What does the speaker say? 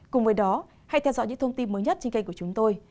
cùng với đó hãy theo dõi những thông tin mới nhất trên kênh của chúng tôi